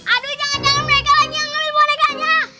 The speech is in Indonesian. aduh jangan jangan mereka lagi yang ngelihat bonekanya